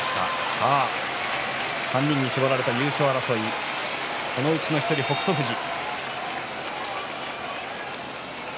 さあ３人に絞られた優勝争いその１人北勝富士。